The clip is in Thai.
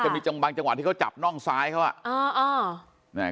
มีจังบางจังหวะที่เขาจับน่องซ้ายเขาอ่ะ